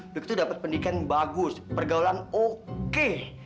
lucky tuh dapet pendidikan bagus pergaulan oke